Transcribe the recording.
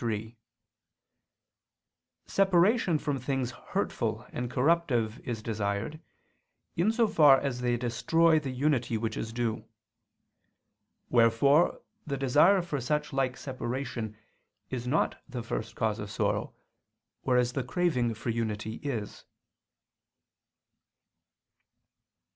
3: Separation from things hurtful and corruptive is desired, in so far as they destroy the unity which is due. Wherefore the desire for such like separation is not the first cause of sorrow, whereas the craving for unity is.